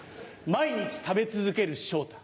毎日食べ続ける昇太。